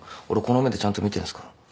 俺この目でちゃんと見てんすから。